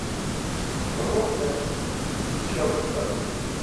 Bḍu-ten, teččeḍ-ten.